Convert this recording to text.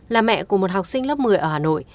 là mẹ của một học sinh lớp một mươi ở hà nội